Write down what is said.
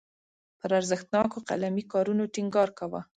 پر ارزښتناکو قلمي کارونو ټینګار کاوه.